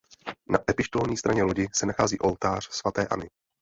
Na epištolní straně lodi se nachází oltář svaté Anny.